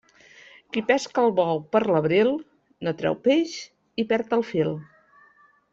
Qui pesca el bou per l'abril, no treu peix i perd fil.